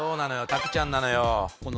拓ちゃんなのよ